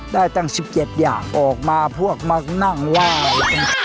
ได้ตั้ง๑๗อย่างออกมาพวกมานั่งว่าย